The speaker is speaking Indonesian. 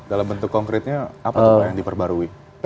dalam bentuk konkretnya apa yang diperbarui